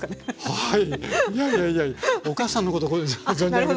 はい。